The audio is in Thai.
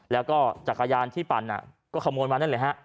และก็จัดกายารที่ปั่นก็ขโมยจนเรื่อยกิน